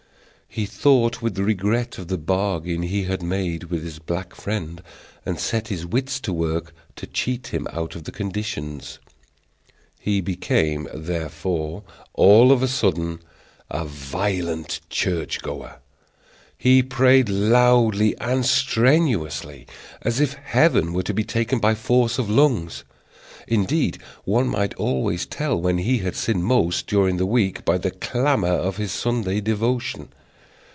He thought with regret of the bargain he had made with his black friend, and set his wits to work to cheat him out of the conditions. He became, therefore, all of a sudden, a violent church goer. He prayed loudly and strenuously, as if heaven were to be taken by force of lungs. Indeed, one might always tell when he had sinned most during the week by the clamor of his Sunday devotion.